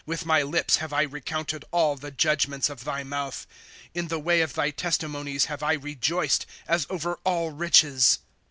With my lips have I recounted All the judgments of thy mouth. In the way of thy testimonies have I rejoiced. As over all riches.